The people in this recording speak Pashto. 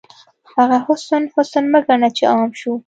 هغه حسن، حسن مه ګڼه چې عام شو